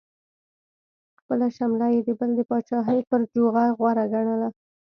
خپله شمله یې د بل د پاچاهۍ پر جوغه غوره ګڼله.